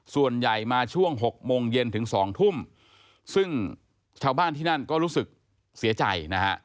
ส่วนใหญ่มาช่วง๖โมงเย็นถึง๒ทุ่มซึ่งชาวบ้านที่นั่นก็รู้สึกเสียใจนะฮะ